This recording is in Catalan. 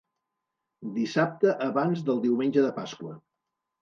Dissabte abans de Diumenge de Pasqua.